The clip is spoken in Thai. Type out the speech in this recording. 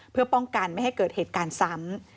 เพื่อป้องกันไม่ให้เกิดเหตุการณ์ซ้ำ